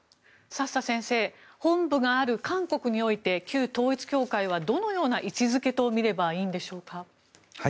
佐々先生本部がある韓国において旧統一教会はどのような位置付けと見ればいいんでしょうか。